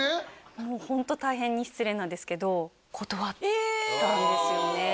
もうホント大変に失礼なんですけど断ったんですよねえ！